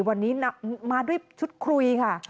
วันนี้มาด้วยชุดคุยค่ะ